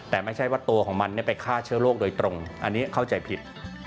แต่ไม่ใช่ว่าตัวของมันไปฆ่าเชื้อโรคโดยตรงอันนี้เข้าใจผิด